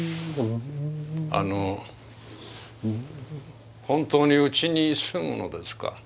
あの本当にうちに住むのですか？